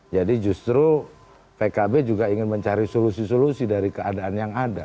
jadi justru pkb juga ingin mencari solusi solusi dari keadaan yang ada